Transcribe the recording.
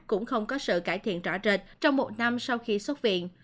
cũng không có sự cải thiện rõ rệt trong một năm sau khi xuất viện